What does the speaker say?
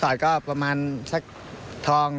โตชปีศาสตร์ก็ประมาณสักทอง